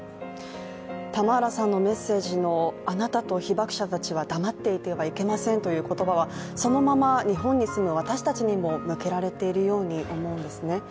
タマーラさんのメッセージのあなたと被爆者たちは黙っていてはいけませんという言葉はそのまま日本に住む私たちにも向けられているようにも思うんですね。